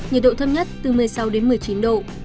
nhiệt độ thấp nhất từ một mươi sáu đến một mươi chín độ